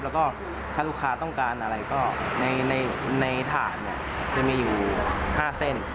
แล้วก็ถ้าลูกค้าต้องการอะไรก็ในถาดเนี่ยจะมีอยู่๕เส้น